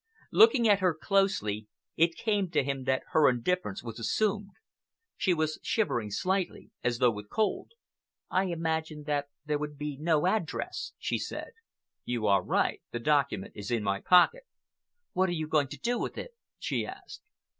Looking at her closely, it came to him that her indifference was assumed. She was shivering slightly, as though with cold. "I imagine that there would be no address," she said. "You are right. That document is in my pocket." "What are you going to do with it?" she asked.